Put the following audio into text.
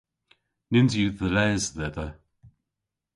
Nyns yw dhe les dhedha.